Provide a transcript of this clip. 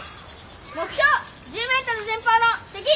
目標１０ｍ前方の敵！